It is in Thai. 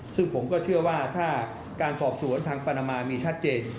ซึ่งผมก็เชื่อว่าถ้าการสอบสวนทางฟานามามีชัดเจน